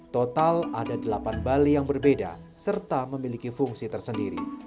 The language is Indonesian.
total ada delapan bale yang berbeda serta memiliki fungsi tersendiri